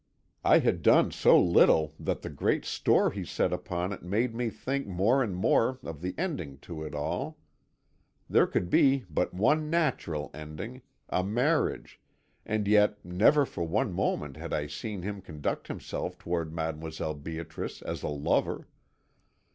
I had done so little that the great store he set upon it made me think more and more of the ending to it all. There could be but one natural ending, a marriage, and yet never for one moment had I seen him conduct himself toward Mdlle. Beatrice as a lover.